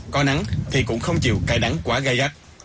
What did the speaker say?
có nắng thì cũng không chịu cãi đắng quá gai gắt